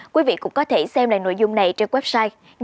quý vị cũng có thể xem lại nội dung này trên website dân dân tv vn